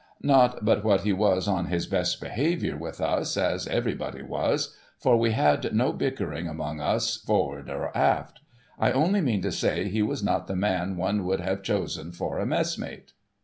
Not but what he was on his best behaviour with us, as everybody was ; for we had no bickering among us, for'ard or aft. I only mean to say, he was not the man one would have chosen for a messmate.